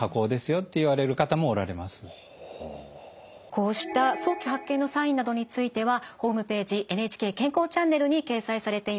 こうした早期発見のサインなどについてはホームページ「ＮＨＫ健康チャンネル」に掲載されています。